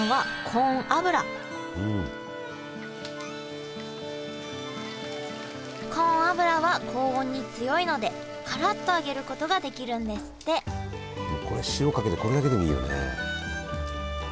コーン油は高温に強いのでカラっと揚げることができるんですってもうこれ塩かけてこれだけでもいいよね。